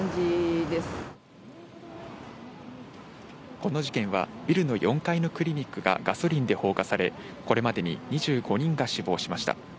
この事件はビルの４階のクリニックがガソリンで放火され、これまでに２５人が死亡しました。